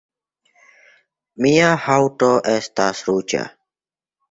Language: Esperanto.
Mia haŭto estas ruĝa